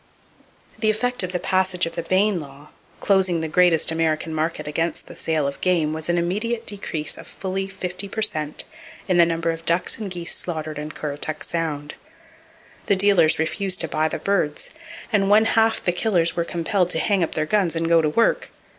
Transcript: The effect of the passage of the Bayne law, closing the greatest American market against the sale of game was an immediate decrease of fully fifty per cent in the number of ducks and geese slaughtered on Currituck Sound. The dealers refused to buy the birds, and one half the killers were compelled to hang up their guns and go to work.